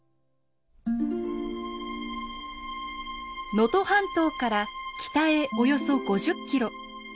能登半島から北へおよそ５０キロ。